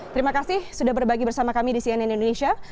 terima kasih sudah berbagi bersama kami di cnn indonesia